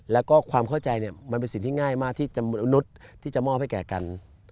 แล้วก็ความเข้าใจเนี่ยมันเป็นสิ่งที่ง่ายมากที่มนุษย์ที่จะมอบให้แก่กัน